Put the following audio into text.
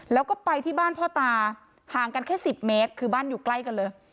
แล้วก็ไปที่บ้านพ่อตาห่างกันแค่๑๐เมตรคือบ้านอยู่ใกล้กันเลย